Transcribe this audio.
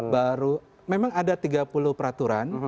baru memang ada tiga puluh peraturan